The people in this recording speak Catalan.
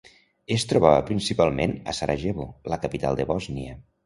Es trobava principalment a Sarajevo, la capital de Bòsnia.